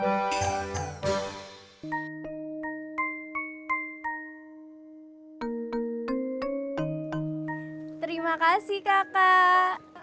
musik terimakasih kakak